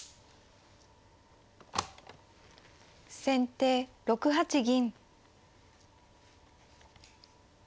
先手６八銀。